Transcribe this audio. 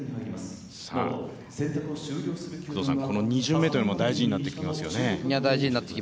２巡目というのも大事になってきますよね。